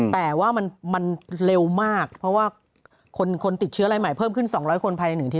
แต่ว่ามันเร็วมากเพราะว่าคนติดเชื้อรายใหม่เพิ่มขึ้น๒๐๐คนภายใน๑อาท